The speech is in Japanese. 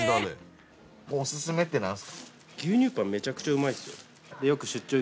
お薦めって何すか？